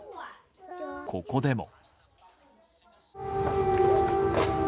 ここでも。